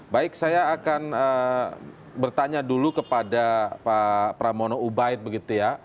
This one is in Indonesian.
baik saya akan bertanya dulu kepada pak pramono ubaid begitu ya